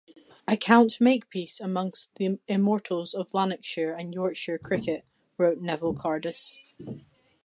"I count Makepeace amongst the immortals of Lancashire and Yorkshire cricket," wrote Neville Cardus.